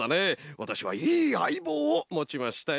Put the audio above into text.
わたしはいいあいぼうをもちましたよ。